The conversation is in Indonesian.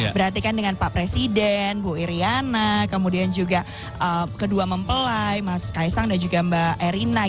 berarti kan dengan pak presiden bu iryana kemudian juga kedua mempelai mas kaisang dan juga mbak erina